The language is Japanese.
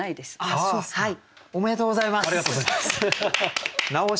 ありがとうございます。